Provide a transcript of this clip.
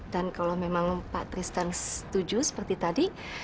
dan kalau memang pak tristan setuju seperti tadi